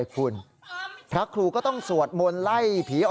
สายลูกไว้อย่าใส่